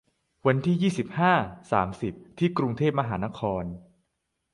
วันที่ ยี่สิบห้า สามสิบ ที่กรุงเทพมหานคร